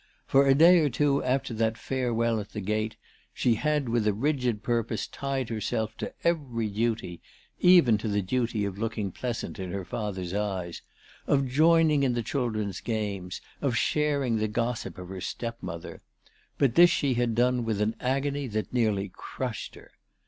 For a day or two after that farewell at the gate she had with a rigid purpose tied herself to every duty, even to the duty of looking pleasant in her father's eyes, of joining in the children's games, of sharing the gossip of her stepmother. But this she had done with an agony that nearly crushed her.